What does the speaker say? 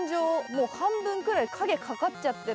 もう半分くらい影かかっちゃってるので。